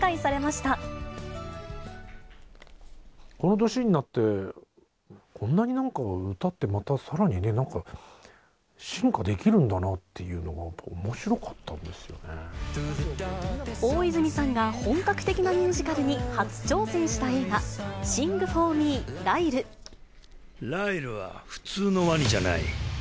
この年になって、こんなになんか、歌ってまたさらになんか、進化できるんだなっていうのが、やっぱ大泉さんが本格的なミュージカルに初挑戦した映画、ライルは普通のワニじゃない。